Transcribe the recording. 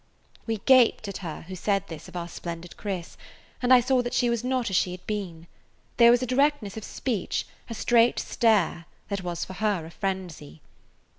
We gaped at her who said this of our splendid Chris, and I saw that she was not as she had been. There was a directness of speech, a straight stare, that was for her a frenzy.